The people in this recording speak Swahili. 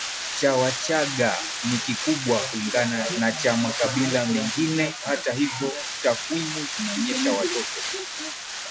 cha Wachagga ni kikubwa kulingana na cha makabila mengine hata hivyo takwimu zinaonyesha watoto